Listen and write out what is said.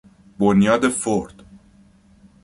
بنیاد فورد